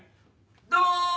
どうも！